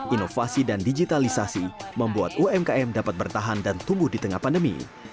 inovasi dan digitalisasi membuat umkm dapat bertahan dan tumbuh di tengah pandemi